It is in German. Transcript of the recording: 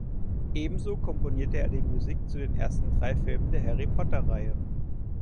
Ebenso komponierte er die Musik zu den ersten drei Filmen der "Harry-Potter"-Reihe.